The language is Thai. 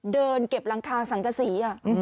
เดินเก็บหลังคาสังกษี